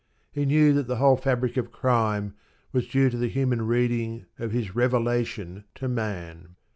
He knew that the whole fabric of crime was due to the human reading of His "revelation" to man.